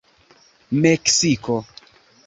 meksiko